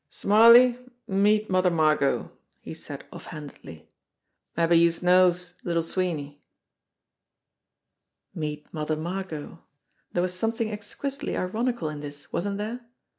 "Smarly, meet Mother Margot," he said off handedly. "Mabbe youse knows Little Sweeney." Meet Mother Margot ! There was something exquisitely ironical in this, wasn't there?